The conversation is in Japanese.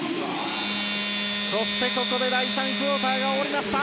そして第３クオーターが終わりました。